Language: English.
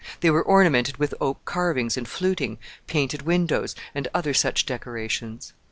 They were ornamented with oak carvings and fluting, painted windows, and other such decorations.